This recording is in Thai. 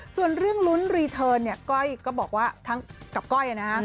ส่วนเรื่องรุ้นรีเทิร์นก้อยก็บอกว่ากับก้อยนะครับ